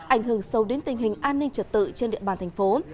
ảnh hưởng sâu đến tình hình an ninh trật tự trên địa bàn thành phố